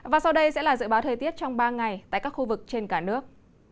và sau đây sẽ là dự báo thời tiết trong ba ngày tại các khu vực trên cả nước